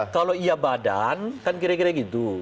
kalau iya badan kan kira kira gitu